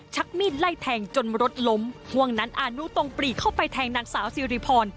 มีดไล่แทงจนรถล้มห่วงนั้นอานุต้องปรีเข้าไปแทงนางสาวสิริพร